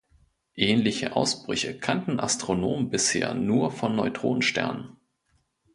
Ähnliche Ausbrüche kannten Astronomen bisher nur von Neutronensternen.